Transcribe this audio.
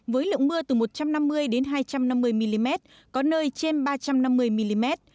với lượng mưa từ một trăm năm mươi đến hai trăm năm mươi mm có nơi trên ba trăm năm mươi mm